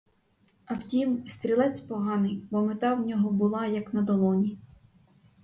А втім, стрілець поганий, бо мета в нього була, як на долоні.